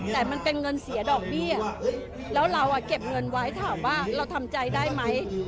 แต่มันเป็นเงินเสียดอกเบี้ยแล้วเราเก็บเงินไว้ถามว่าเราทำใจได้ไหม